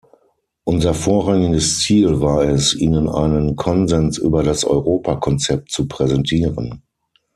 Unser vorrangiges Ziel war es, Ihnen einen Konsens über das Europa-Konzept zu präsentieren.